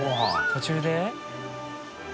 途中で？